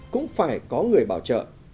cũng phải có người bảo trợ